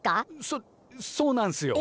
そそうなんすよ。